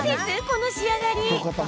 この仕上がり！